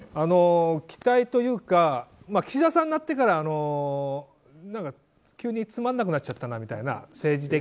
期待というか岸田さんになってから急につまらなくなっちゃったなみたいな。